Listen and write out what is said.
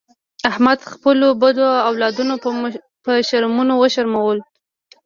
احمد خپلو بدو اولادونو په شرمونو و شرمولو.